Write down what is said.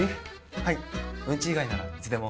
はい土日以外ならいつでも。